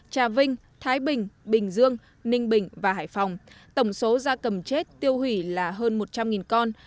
trà vinh thái bình bình dương ninh bình và hải phòng tổng số gia cầm chết tiêu hủy là hơn một trăm linh con